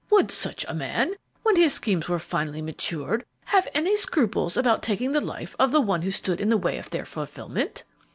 Would such a man, when his schemes were finally matured, have any scruples about taking the life of the one who stood in the way of their fulfilment?"